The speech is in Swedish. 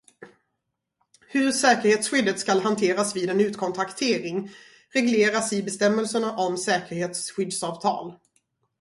Hur säkerhetsskyddet ska hanteras vid en utkontraktering regleras i bestämmelserna om säkerhetsskyddsavtal.